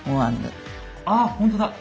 あほんとだ。